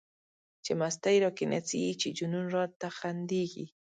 چی مستی را کی نڅيږی، چی جنون را ته خنديږی